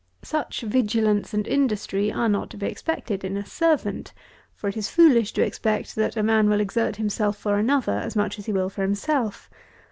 Such vigilance and industry are not to be expected in a servant; for it is foolish to expect that a man will exert himself for another as much as he will for himself.